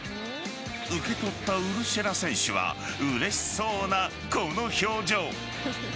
受け取ったウルシェラ選手はうれしそうなこの表情。